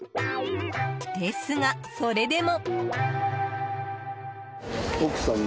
ですが、それでも。